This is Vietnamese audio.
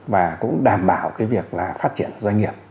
và cũng đảm bảo việc phát triển doanh nghiệp